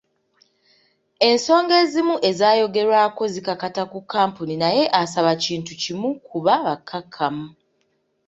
Ensonga ezimu ezayogerwako zikakata ku kkampuni naye asaba kintu kimu kuba bakakkamu.